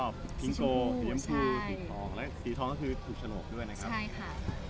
ดินสีชะพูทองใช่ไหม